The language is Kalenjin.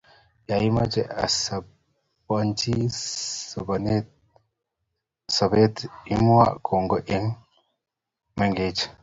ya imeche asiboiboichi sobet imwa kongoi eng' che mengechen